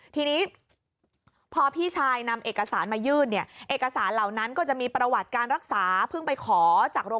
ทีนี้พอพี่ชายนำเอกสารมายื่น